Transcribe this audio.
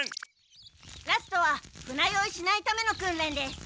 ラストは船酔いしないための訓練です。